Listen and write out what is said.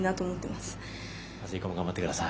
あす以降も頑張ってください。